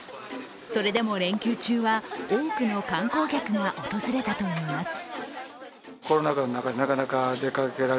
それでも連休中は、多くの観光客が訪れたといいます。